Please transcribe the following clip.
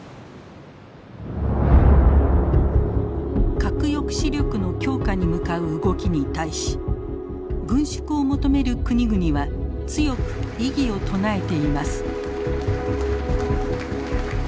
核抑止力の強化に向かう動きに対し軍縮を求める国々は強く異議を唱えています。